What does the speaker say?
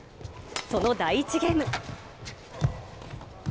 その第１ゲーム。